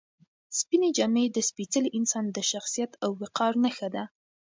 سپینې جامې د سپېڅلي انسان د شخصیت او وقار نښه ده.